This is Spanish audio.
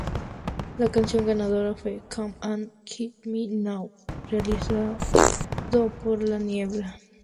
La canción ganadora fue "Come and Get Me Now", realizado por la niebla.